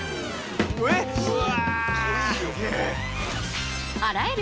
うわ！